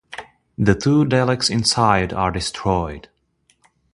The two Daleks inside are destroyed.